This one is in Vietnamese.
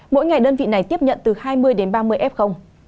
mỗi ngày đơn vị này tiếp nhận từ hai mươi đến ba mươi f